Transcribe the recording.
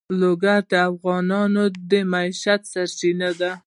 لوگر د افغانانو د معیشت سرچینه ده.